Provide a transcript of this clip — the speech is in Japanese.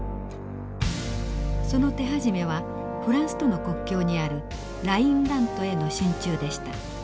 その手始めはフランスとの国境にあるラインラントへの進駐でした。